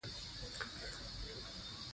جلګه د افغانستان د صنعت لپاره مواد برابروي.